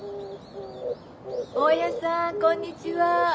大家さんこんにちは。